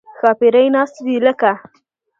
ښاپېرۍ ناستې دي لکه